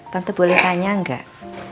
tante boleh tanya enggak